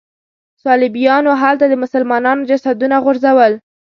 صلیبیانو هلته د مسلمانانو جسدونه غورځول.